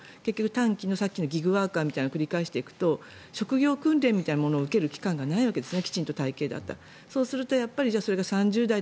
短期のギグワーカーみたいなことを繰り返していくと職業訓練みたいなものを受ける期間がないわけですね。